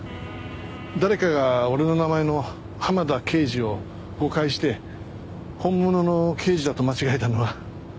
誰かが俺の名前の浜田啓司を誤解して本物の刑事だと間違えたのは。